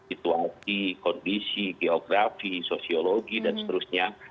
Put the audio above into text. itu yang kondisi geografi sosiologi dan seterusnya